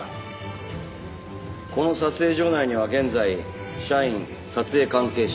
この撮影所内には現在社員撮影関係者